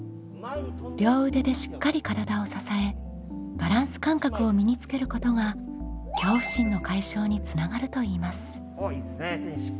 両腕でしっかり体を支えバランス感覚を身につけることが恐怖心の解消につながるといいます。